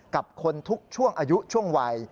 กับคนทุกช่วงอายุช่วงวัย